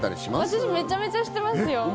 私めちゃめちゃしてますよ。